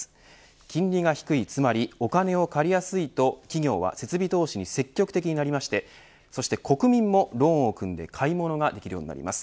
金利が低い、つまりお金を借りやすいと企業は設備投資に積極的になりまして国民もローンを組んで買い物ができるようになります。